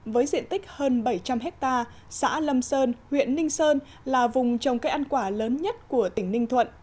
với diện tích hơn bảy trăm linh hectare xã lâm sơn huyện ninh sơn là vùng trồng cây ăn quả lớn nhất của tỉnh ninh thuận